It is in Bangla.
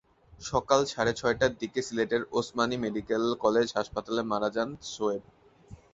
সকাল সাড়ে ছয়টার দিকে সিলেটের ওসমানী মেডিকেল কলেজ হাসপাতালে মারা যান সোয়েব।